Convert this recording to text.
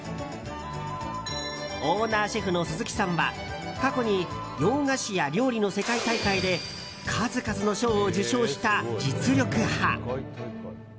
オーナーシェフの鈴木さんは過去に洋菓子や料理の世界大会で数々の賞を受賞した実力派。